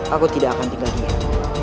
aku tidak akan tinggal di sini